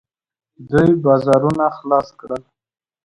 دوی بازارونه خلاص کړل.